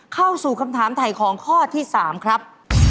เข้าสู่คำถามถ่ายของข้อที่๓ครับ